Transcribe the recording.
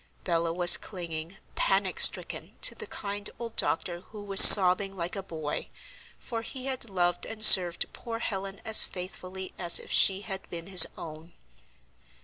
Bella was clinging, panic stricken, to the kind old doctor, who was sobbing like a boy, for he had loved and served poor Helen as faithfully as if she had been his own.